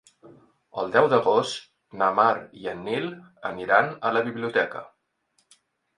El deu d'agost na Mar i en Nil aniran a la biblioteca.